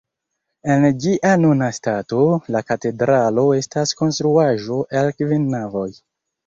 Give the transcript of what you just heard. En ĝia nuna stato, la katedralo estas konstruaĵo el kvin navoj.